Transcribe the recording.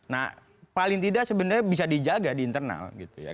nah paling tidak sebenarnya bisa dijaga di internal gitu ya